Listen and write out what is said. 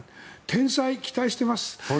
天才、期待してます。